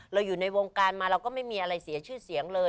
อยู่ในวงการมาเราก็ไม่มีอะไรเสียชื่อเสียงเลย